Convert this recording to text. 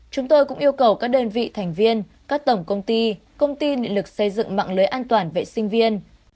chúng tôi cũng yêu cầu các đơn vị thành viên các tổng công ty công ty điện lực xây dựng mạng lưới an toàn vệ sinh viên